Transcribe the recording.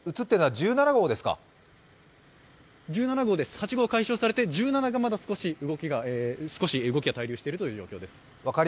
１７号です、８号が解消されて、１７号が少し動きが滞留している状況です。